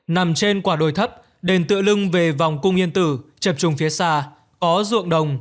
nằm trên quả đồi thấp đền tựa lưng về vòng cung yên tử chập trùng phía xa có ruộng đồng